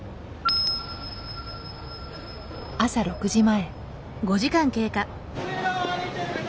朝６時前。